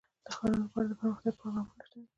د ښارونو لپاره دپرمختیا پروګرامونه شته دي.